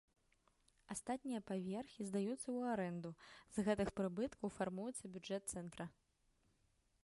Астатнія паверхі здаюцца ў арэнду, з гэтых прыбыткаў фармуецца бюджэт цэнтра.